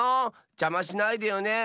じゃましないでよね！